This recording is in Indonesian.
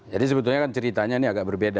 jadi sebetulnya kan ceritanya ini agak berbeda